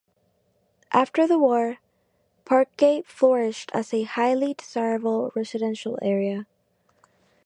After the war, Parkgate flourished as a highly desirable residential area.